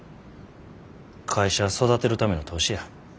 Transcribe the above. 会社育てるための投資や。